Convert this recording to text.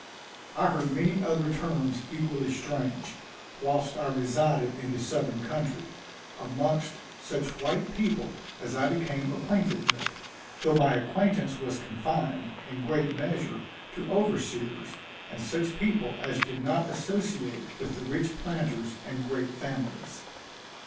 _" I heard many other terms equally strange, whilst I resided in the southern country, amongst such white people as I became acquainted with; though my acquaintance was confined, in a great measure, to overseers, and such people as did not associate with the rich planters and great families.